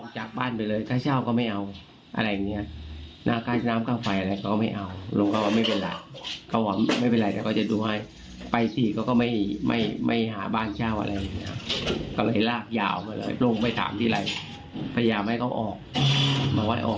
ทั้งหมดอยู่ที่นี่นะครับ